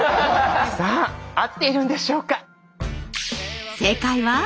さあ合っているんでしょうか。